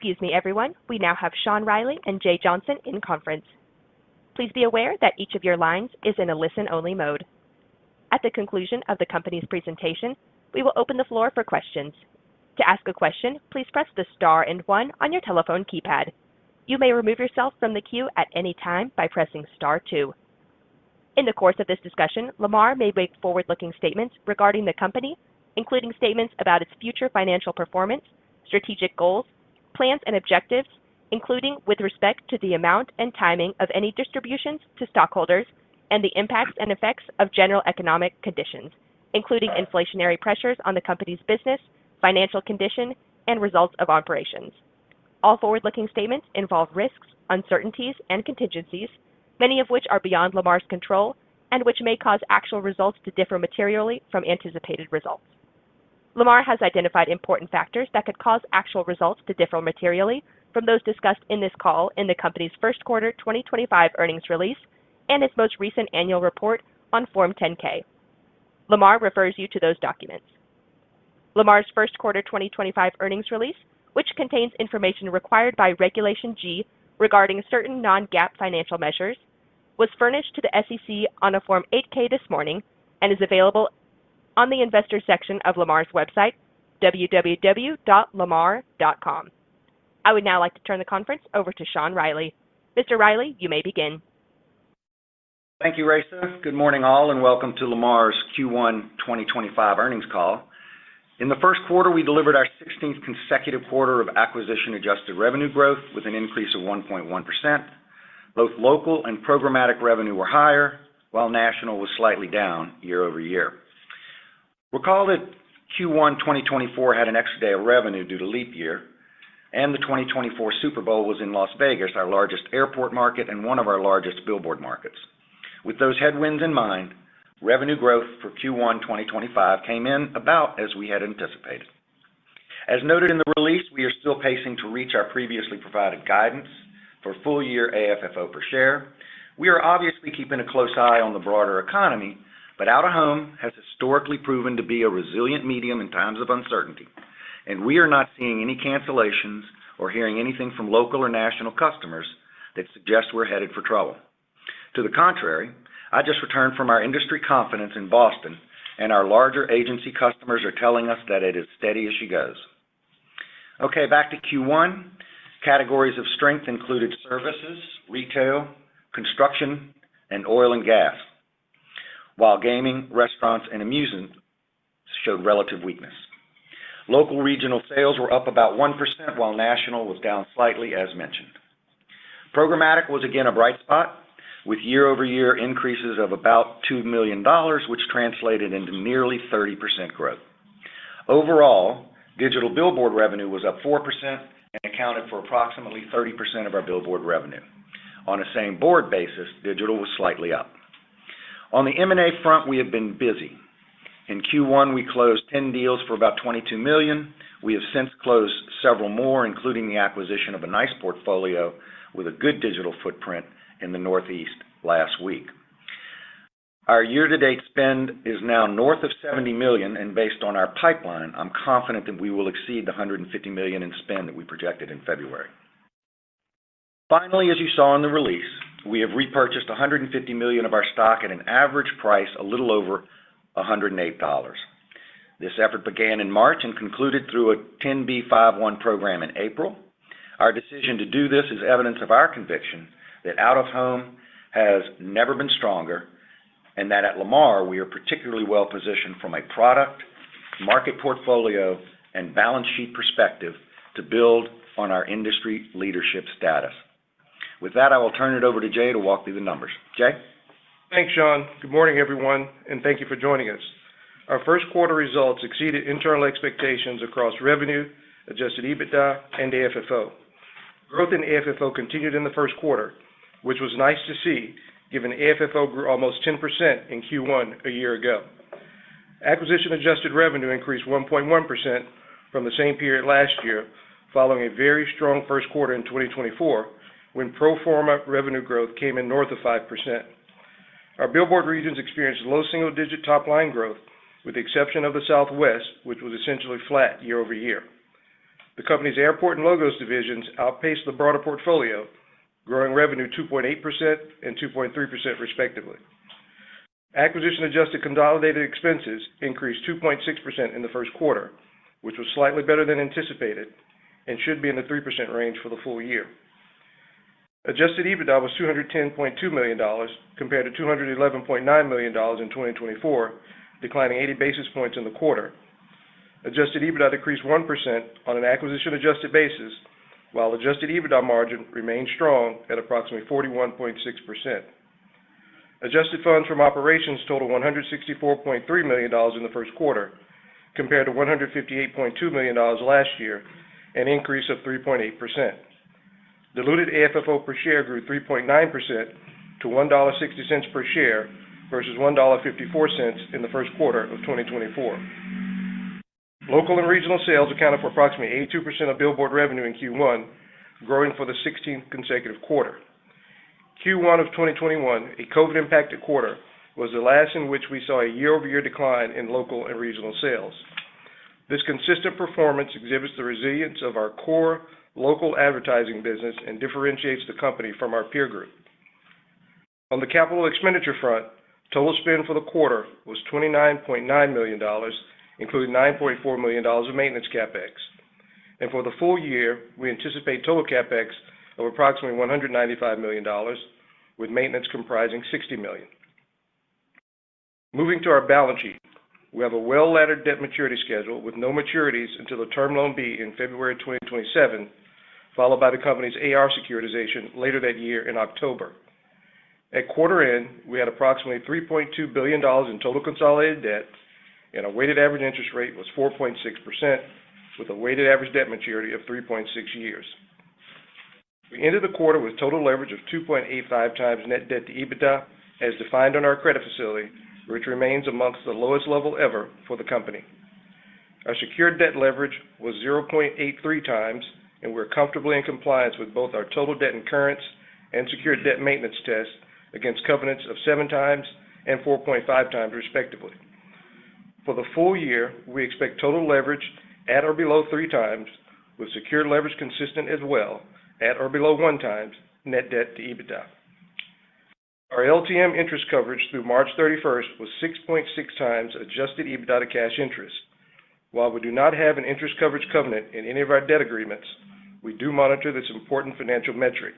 Excuse me, everyone. We now have Sean Reilly and Jay Johnson in conference. Please be aware that each of your lines is in a listen-only mode. At the conclusion of the company's presentation, we will open the floor for questions. To ask a question, please press the star and one on your telephone keypad. You may remove yourself from the queue at any time by pressing star two. In the course of this discussion, Lamar may make forward-looking statements regarding the company, including statements about its future financial performance, strategic goals, plans, and objectives, including with respect to the amount and timing of any distributions to stockholders, and the impacts and effects of general economic conditions, including inflationary pressures on the company's business, financial condition, and results of operations. All forward-looking statements involve risks, uncertainties, and contingencies, many of which are beyond Lamar's control and which may cause actual results to differ materially from anticipated results. Lamar has identified important factors that could cause actual results to differ materially from those discussed in this call in the company's first quarter 2025 earnings release and its most recent annual report on Form 10-K. Lamar refers you to those documents. Lamar's first quarter 2025 earnings release, which contains information required by Regulation G regarding certain non-GAAP financial measures, was furnished to the SEC on a Form 8-K this morning and is available on the investor section of Lamar's website, www.lamar.com. I would now like to turn the conference over to Sean Reilly. Mr. Reilly, you may begin. Thank you, Raisa. Good morning, all, and welcome to Lamar's Q1 2025 earnings call. In the first quarter, we delivered our 16th consecutive quarter of acquisition-adjusted revenue growth with an increase of 1.1%. Both local and programmatic revenue were higher, while national was slightly down year over year. Recall that Q1 2024 had an extra day of revenue due to leap year, and the 2024 Super Bowl was in Las Vegas, our largest airport market and one of our largest billboard markets. With those headwinds in mind, revenue growth for Q1 2025 came in about as we had anticipated. As noted in the release, we are still pacing to reach our previously provided guidance for full-year AFFO per share. We are obviously keeping a close eye on the broader economy, but out-of-home has historically proven to be a resilient medium in times of uncertainty, and we are not seeing any cancellations or hearing anything from local or national customers that suggests we're headed for trouble. To the contrary, I just returned from our industry conference in Boston, and our larger agency customers are telling us that it is steady as she goes. Okay, back to Q1. Categories of strength included services, retail, construction, and oil and gas, while gaming, restaurants, and amusement showed relative weakness. Local regional sales were up about 1%, while national was down slightly, as mentioned. Programmatic was again a bright spot, with year-over-year increases of about $2 million, which translated into nearly 30% growth. Overall, digital billboard revenue was up 4% and accounted for approximately 30% of our billboard revenue. On a same board basis, digital was slightly up. On the M&A front, we have been busy. In Q1, we closed 10 deals for about $22 million. We have since closed several more, including the acquisition of a nice portfolio with a good digital footprint in the Northeast last week. Our year-to-date spend is now north of $70 million, and based on our pipeline, I'm confident that we will exceed the $150 million in spend that we projected in February. Finally, as you saw in the release, we have repurchased $150 million of our stock at an average price a little over $108. This effort began in March and concluded through a 10b5-1 program in April. Our decision to do this is evidence of our conviction that out-of-home has never been stronger and that at Lamar, we are particularly well-positioned from a product, market portfolio, and balance sheet perspective to build on our industry leadership status. With that, I will turn it over to Jay to walk through the numbers. Jay. Thanks, Sean. Good morning, everyone, and thank you for joining us. Our first quarter results exceeded internal expectations across revenue, Adjusted EBITDA, and AFFO. Growth in AFFO continued in the first quarter, which was nice to see given AFFO grew almost 10% in Q1 a year ago. Acquisition-Adjusted Revenue increased 1.1% from the same period last year, following a very strong first quarter in 2024 when pro forma revenue growth came in north of 5%. Our billboard regions experienced low single-digit top-line growth, with the exception of the Southwest, which was essentially flat year over year. The company's airport and logos divisions outpaced the broader portfolio, growing revenue 2.8% and 2.3%, respectively. Acquisition-adjusted consolidated expenses increased 2.6% in the first quarter, which was slightly better than anticipated and should be in the 3% range for the full year. Adjusted EBITDA was $210.2 million compared to $211.9 million in 2024, declining 80 basis points in the quarter. Adjusted EBITDA decreased 1% on an acquisition-adjusted basis, while Adjusted EBITDA margin remained strong at approximately 41.6%. Adjusted funds from operations totaled $164.3 million in the first quarter, compared to $158.2 million last year, an increase of 3.8%. Diluted AFFO per share grew 3.9% to $1.60 per share versus $1.54 in the first quarter of 2024. Local and regional sales accounted for approximately 82% of billboard revenue in Q1, growing for the 16th consecutive quarter. Q1 of 2021, a COVID-impacted quarter, was the last in which we saw a year-over-year decline in local and regional sales. This consistent performance exhibits the resilience of our core local advertising business and differentiates the company from our peer group. On the capital expenditure front, total spend for the quarter was $29.9 million, including $9.4 million of maintenance CapEx. For the full year, we anticipate total CapEx of approximately $195 million, with maintenance comprising $60 million. Moving to our balance sheet, we have a well-laddered debt maturity schedule with no maturities until the Term Loan B in February 2027, followed by the company's AR securitization later that year in October. At quarter end, we had approximately $3.2 billion in total consolidated debt, and our weighted average interest rate was 4.6%, with a weighted average debt maturity of 3.6 years. We ended the quarter with total leverage of 2.85 times net debt to EBITDA, as defined on our credit facility, which remains among the lowest level ever for the company. Our secured debt leverage was 0.83x, and we're comfortably in compliance with both our total debt incurrence and secured debt maintenance test against covenants of 7x and 4.5x, respectively. For the full year, we expect total leverage at or below 3x, with secured leverage consistent as well at or below 1x Net Debt to EBITDA. Our LTM interest coverage through March 31st was 6.6x Adjusted EBITDA to cash interest. While we do not have an interest coverage covenant in any of our debt agreements, we do monitor this important financial metric.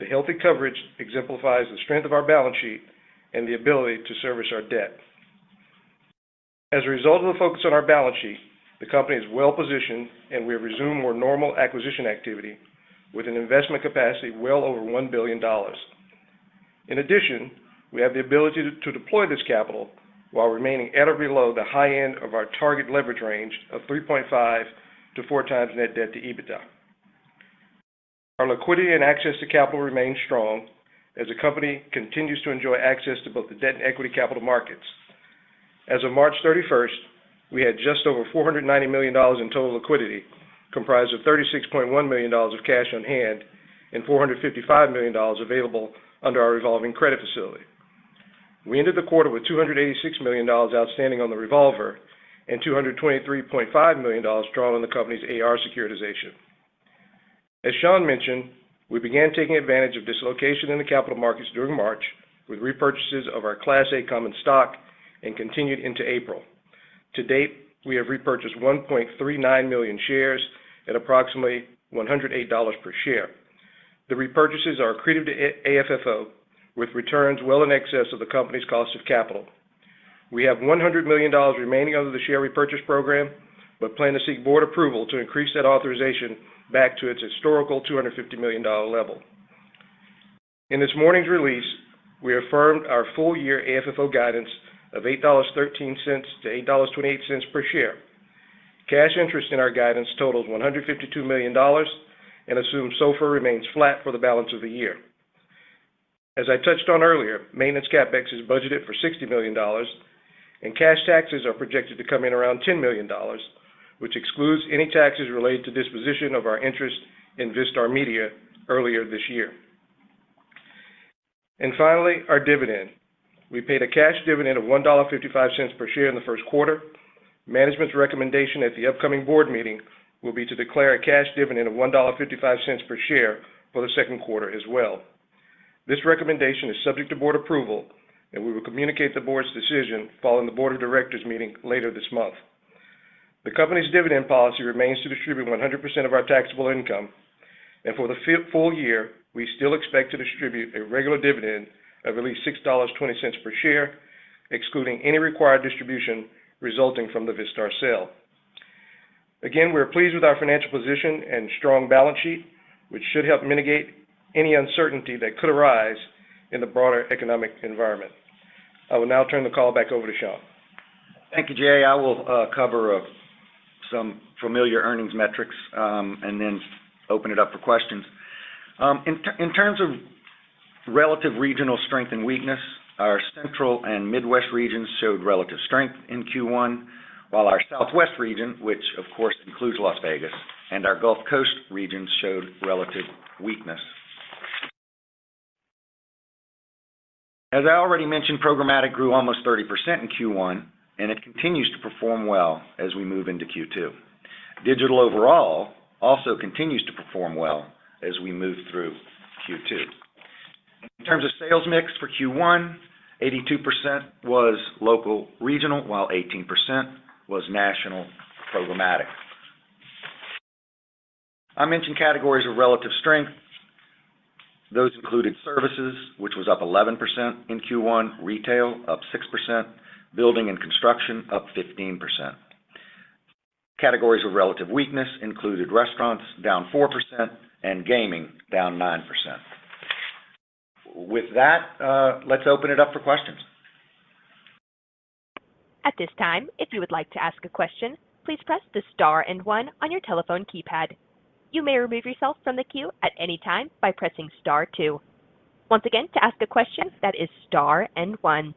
The healthy coverage exemplifies the strength of our balance sheet and the ability to service our debt. As a result of the focus on our balance sheet, the company is well-positioned, and we have resumed more normal acquisition activity with an investment capacity well over $1 billion. In addition, we have the ability to deploy this capital while remaining at or below the high end of our target leverage range of 3.5-4x net debt to EBITDA. Our liquidity and access to capital remain strong as the company continues to enjoy access to both the debt and equity capital markets. As of March 31st, we had just over $490 million in total liquidity, comprised of $36.1 million of cash on hand and $455 million available under our revolving credit facility. We ended the quarter with $286 million outstanding on the revolver and $223.5 million drawn on the company's AR securitization. As Sean mentioned, we began taking advantage of dislocation in the capital markets during March, with repurchases of our Class A common stock and continued into April. To date, we have repurchased 1.39 million shares at approximately $108 per share. The repurchases are accretive to AFFO, with returns well in excess of the company's cost of capital. We have $100 million remaining under the share repurchase program, but plan to seek board approval to increase that authorization back to its historical $250 million level. In this morning's release, we affirmed our full-year AFFO guidance of $8.13-$8.28 per share. Cash interest in our guidance totals $152 million and assumes SOFR remains flat for the balance of the year. As I touched on earlier, maintenance CapEx is budgeted for $60 million, and cash taxes are projected to come in around $10 million, which excludes any taxes related to disposition of our interest in Vistar Media earlier this year. And finally, our dividend. We paid a cash dividend of $1.55 per share in the first quarter. Management's recommendation at the upcoming board meeting will be to declare a cash dividend of $1.55 per share for the second quarter as well. This recommendation is subject to board approval, and we will communicate the board's decision following the board of directors meeting later this month. The company's dividend policy remains to distribute 100% of our taxable income, and for the full year, we still expect to distribute a regular dividend of at least $6.20 per share, excluding any required distribution resulting from the Vistar sale. Again, we're pleased with our financial position and strong balance sheet, which should help mitigate any uncertainty that could arise in the broader economic environment. I will now turn the call back over to Sean. Thank you, Jay. I will cover some familiar earnings metrics and then open it up for questions. In terms of relative regional strength and weakness, our Central and Midwest regions showed relative strength in Q1, while our Southwest region, which of course includes Las Vegas, and our Gulf Coast region showed relative weakness. As I already mentioned, programmatic grew almost 30% in Q1, and it continues to perform well as we move into Q2. Digital overall also continues to perform well as we move through Q2. In terms of sales mix for Q1, 82% was local regional, while 18% was national programmatic. I mentioned categories of relative strength. Those included services, which was up 11% in Q1, retail up 6%, building and construction up 15%. Categories of relative weakness included restaurants, down 4%, and gaming, down 9%. With that, let's open it up for questions. At this time, if you would like to ask a question, please press the star and one on your telephone keypad. You may remove yourself from the queue at any time by pressing star two. Once again, to ask a question, that is star and one.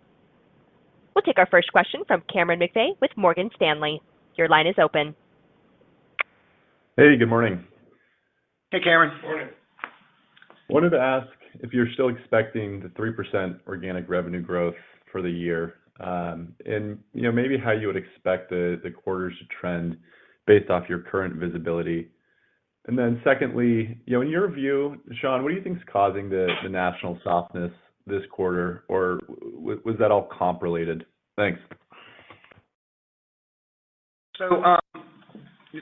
We'll take our first question from Cameron McVeigh with Morgan Stanley. Your line is open. Hey, good morning. Hey, Cameron. Morning. Wanted to ask if you're still expecting the 3% organic revenue growth for the year and maybe how you would expect the quarters to trend based off your current visibility? And then secondly, in your view, Sean, what do you think is causing the national softness this quarter, or was that all comp related? Thanks. So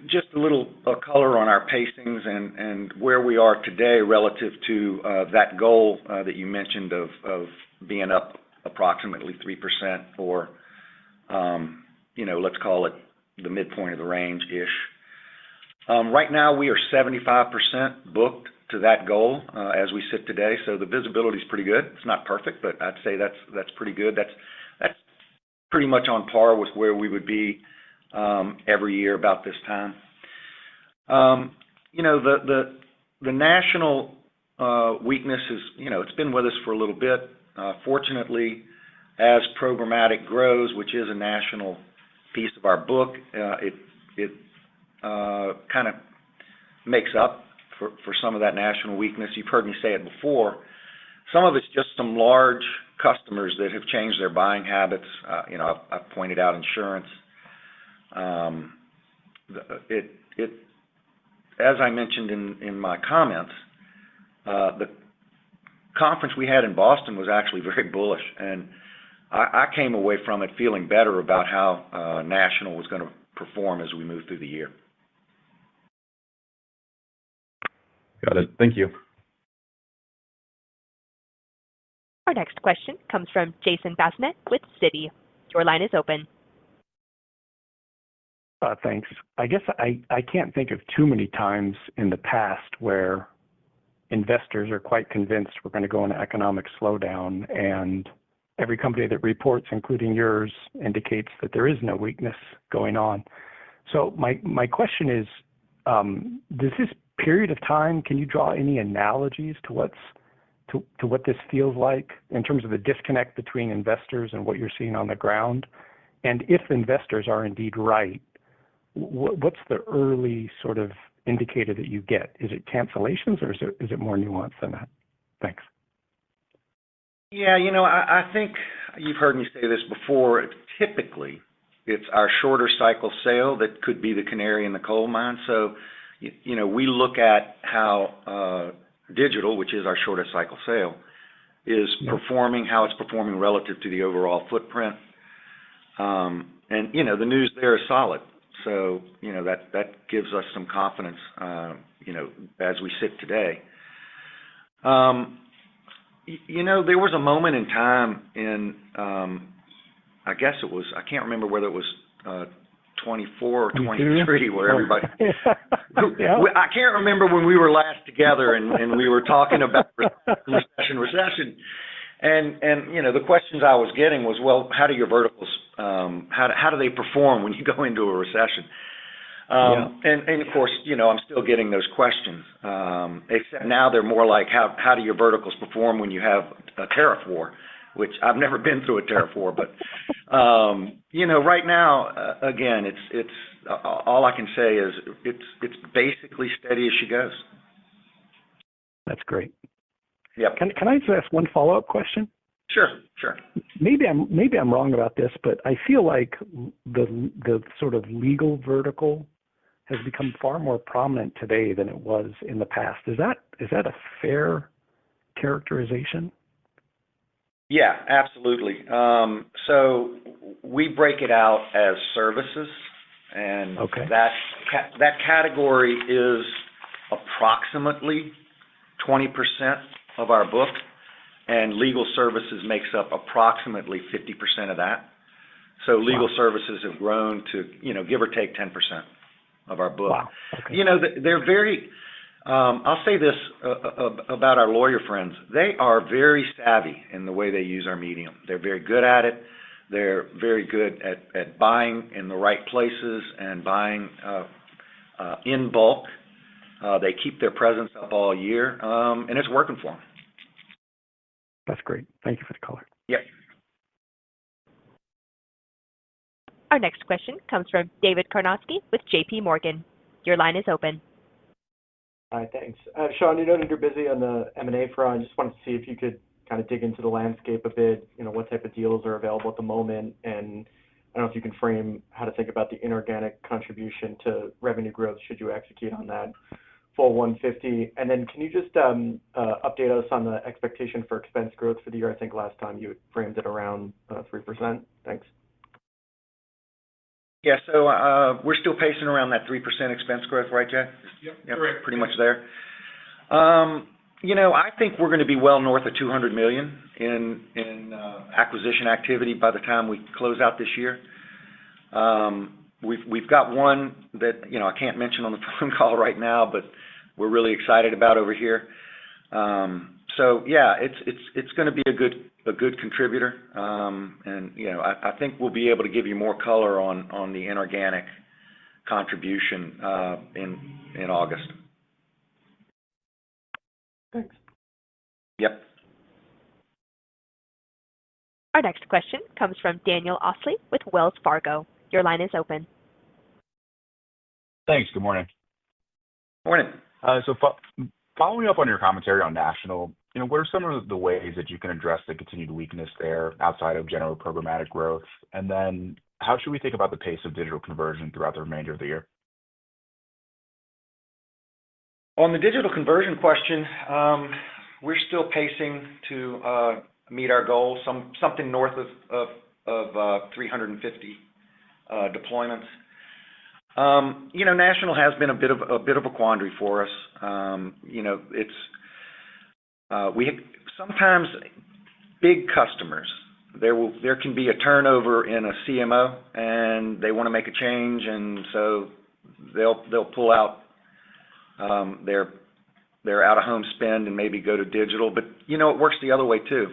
just a little color on our pacings and where we are today relative to that goal that you mentioned of being up approximately 3% or let's call it the midpoint of the range-ish. Right now, we are 75% booked to that goal as we sit today. So the visibility is pretty good. It's not perfect, but I'd say that's pretty good. That's pretty much on par with where we would be every year about this time. The national weakness, it's been with us for a little bit. Fortunately, as programmatic grows, which is a national piece of our book, it kind of makes up for some of that national weakness. You've heard me say it before. Some of it's just some large customers that have changed their buying habits. I've pointed out insurance. As I mentioned in my comments, the conference we had in Boston was actually very bullish, and I came away from it feeling better about how national was going to perform as we move through the year. Got it. Thank you. Our next question comes from Jason Bazinet with Citi. Your line is open. Thanks. I guess I can't think of too many times in the past where investors are quite convinced we're going to go into economic slowdown, and every company that reports, including yours, indicates that there is no weakness going on. So my question is, does this period of time, can you draw any analogies to what this feels like in terms of the disconnect between investors and what you're seeing on the ground? And if investors are indeed right, what's the early sort of indicator that you get? Is it cancellations, or is it more nuanced than that? Thanks. Yeah, you know I think you've heard me say this before. Typically, it's our shorter cycle sale that could be the canary in the coal mine. So we look at how digital, which is our shortest cycle sale, is performing relative to the overall footprint. And the news there is solid. So that gives us some confidence as we sit today. There was a moment in time in, I guess it was, I can't remember whether it was 2024 or 2023 where everybody. Yeah. I can't remember when we were last together and we were talking about recession, recession, and the questions I was getting was, well, how do your verticals, how do they perform when you go into a recession, and of course, I'm still getting those questions. Except now they're more like, how do your verticals perform when you have a tariff war, which I've never been through a tariff war, but right now, again, all I can say is it's basically steady as she goes. That's great. Yep. Can I just ask one follow-up question? Sure. Sure. Maybe I'm wrong about this, but I feel like the sort of legal vertical has become far more prominent today than it was in the past. Is that a fair characterization? Yeah, absolutely. So we break it out as services, and that category is approximately 20% of our book, and legal services makes up approximately 50% of that. So legal services have grown to give or take 10% of our book. [inaudible] They're very, I'll say this about our lawyer friends. They are very savvy in the way they use our medium. They're very good at it. They're very good at buying in the right places and buying in bulk. They keep their presence up all year, and it's working for them. That's great. Thank you for the color. Yep. Our next question comes from David Karnovsky with JPMorgan. Your line is open. Hi, thanks. Sean, you noted you're busy on the M&A front. I just wanted to see if you could kind of dig into the landscape a bit, what type of deals are available at the moment, and I don't know if you can frame how to think about the inorganic contribution to revenue growth should you execute on that full 150? And then can you just update us on the expectation for expense growth for the year? I think last time you framed it around 3%. Thanks. Yeah. So we're still pacing around that 3% expense growth, right, Jay? Yep. Yep. Correct. Pretty much there. I think we're going to be well north of $200 million in acquisition activity by the time we close out this year. We've got one that I can't mention on the phone call right now, but we're really excited about over here. So yeah, it's going to be a good contributor, and I think we'll be able to give you more color on the inorganic contribution in August. Thanks. Yep. Our next question comes from Daniel Osley with Wells Fargo. Your line is open. Thanks. Good morning. Morning. So following up on your commentary on national, what are some of the ways that you can address the continued weakness there outside of general programmatic growth? And then how should we think about the pace of digital conversion throughout the remainder of the year? On the digital conversion question, we're still pacing to meet our goal, something north of 350 deployments. National has been a bit of a quandary for us. Sometimes big customers, there can be a turnover in a CMO, and they want to make a change, and so they'll pull out their out-of-home spend and maybe go to digital. But it works the other way too.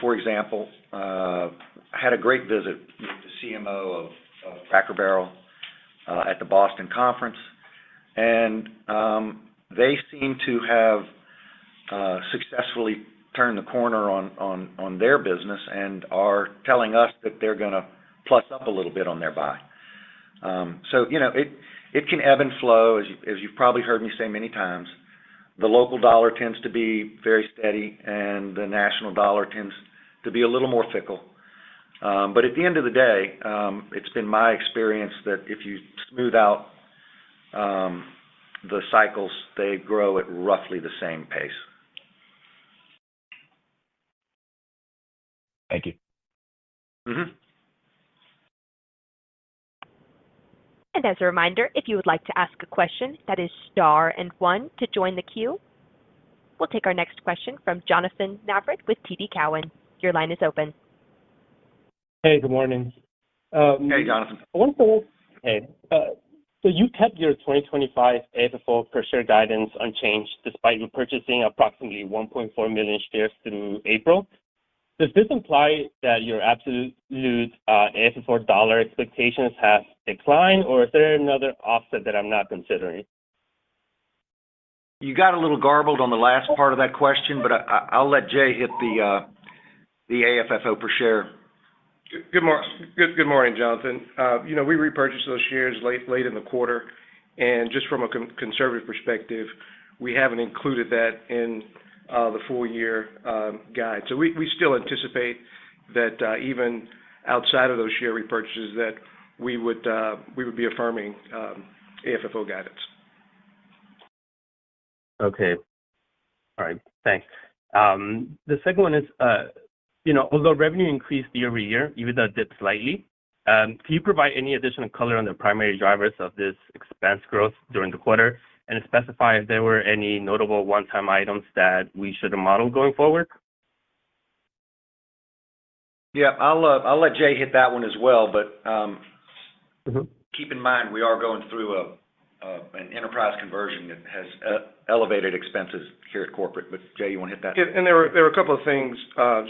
For example, I had a great visit with the CMO of Cracker Barrel at the Boston conference, and they seem to have successfully turned the corner on their business and are telling us that they're going to plus up a little bit on their buy. So it can ebb and flow, as you've probably heard me say many times. The local dollar tends to be very steady, and the national dollar tends to be a little more fickle. But at the end of the day, it's been my experience that if you smooth out the cycles, they grow at roughly the same pace. Thank you. Mm-hmm. As a reminder, if you would like to ask a question, that is star and one to join the queue. We'll take our next question from Jonathan Navarrete with TD Cowen. Your line is open. Hey, good morning. Hey, Jonathan. Wonderful. Hey. So you kept your 2025 AFFO per share guidance unchanged despite repurchasing approximately 1.4 million shares through April. Does this imply that your absolute AFFO dollar expectations have declined, or is there another offset that I'm not considering? You got a little garbled on the last part of that question, but I'll let Jay hit the AFFO per share. Good morning, Jonathan. We repurchased those shares late in the quarter, and just from a conservative perspective, we haven't included that in the full-year guide. So we still anticipate that even outside of those share repurchases, that we would be affirming AFFO guidance. Okay. All right. Thanks. The second one is, although revenue increased year over year, even though it dipped slightly, can you provide any additional color on the primary drivers of this expense growth during the quarter and specify if there were any notable one-time items that we should model going forward? Yeah. I'll let Jay hit that one as well, but keep in mind we are going through an enterprise conversion that has elevated expenses here at corporate. But Jay, you want to hit that? Yeah, and there were a couple of things,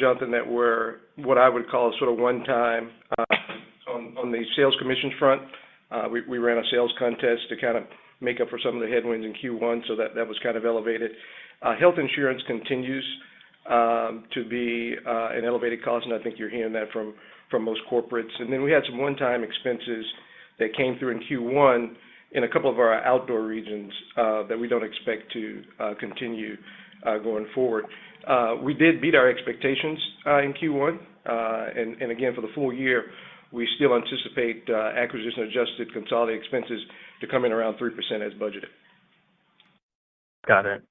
Jonathan, that were what I would call sort of one-time on the sales commissions front. We ran a sales contest to kind of make up for some of the headwinds in Q1, so that was kind of elevated. Health insurance continues to be an elevated cost, and I think you're hearing that from most corporates. And then we had some one-time expenses that came through in Q1 in a couple of our outdoor regions that we don't expect to continue going forward. We did beat our expectations in Q1, and again, for the full year, we still anticipate acquisition-adjusted consolidated expenses to come in around 3% as budgeted. Got it.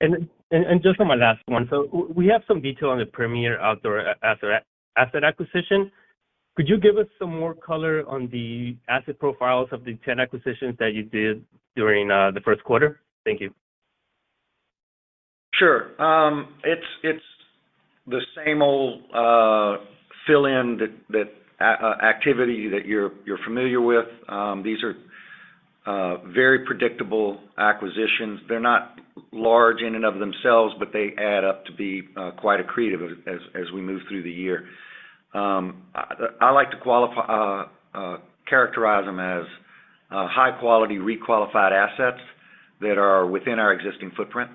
And just on my last one, so we have some detail on the Premier Outdoor asset acquisition. Could you give us some more color on the asset profiles of the 10 acquisitions that you did during the first quarter? Thank you. Sure. It's the same old fill-in activity that you're familiar with. These are very predictable acquisitions. They're not large in and of themselves, but they add up to be quite accretive as we move through the year. I like to characterize them as high-quality requalified assets that are within our existing footprint.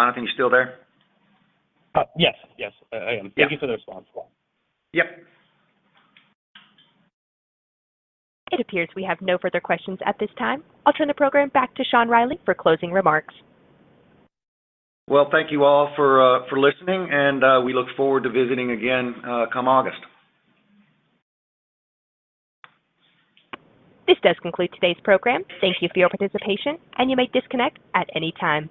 Jonathan, you still there? Yes. Yes. I am. Thank you for the response. Yep. It appears we have no further questions at this time. I'll turn the program back to Sean Reilly for closing remarks. Thank you all for listening, and we look forward to visiting again come August. This does conclude today's program. Thank you for your participation, and you may disconnect at any time.